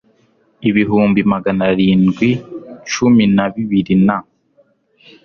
ibihumbi magana arindwi cumi na bibiri na